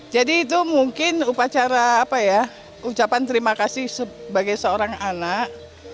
jadi itu mungkin upacara apa ya ucapan terima kasih sebagai seorang anak